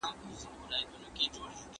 دولت بايد د کليسا مرستيال وي.